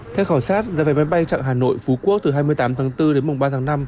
theo khảo sát giá vé máy bay chặng hà nội phú quốc từ hai mươi tám tháng bốn đến mùng ba tháng năm